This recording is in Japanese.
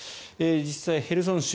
実際、ヘルソン州